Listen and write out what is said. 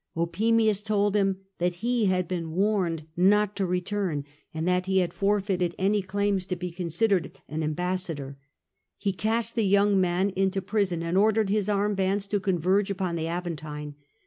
Opimius told him that he had been warned not to return, and that he had forfeited any claims to be con CAIUS GRACCHUS 84 sidered an ambassador. He cast tlie yoting man into prison, and ordered bis armed bands to converge upon the Aventine.